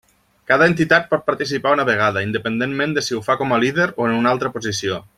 Cada entitat pot participar una vegada, independentment de si ho fa com a líder o en una altra posició.